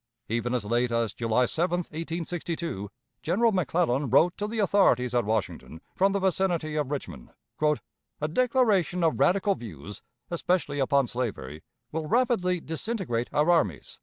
Even as late as July 7, 1862, General McClellan wrote to the authorities at Washington from the vicinity of Richmond, "A declaration of radical views, especially upon slavery, will rapidly disintegrate our armies."